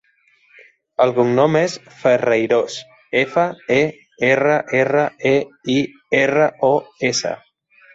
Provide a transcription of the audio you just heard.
El cognom és Ferreiros: efa, e, erra, erra, e, i, erra, o, essa.